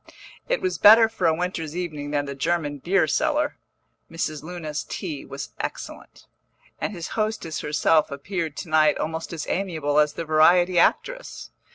It was better for a winter's evening than the German beer cellar (Mrs. Luna's tea was excellent), and his hostess herself appeared to night almost as amiable as the variety actress.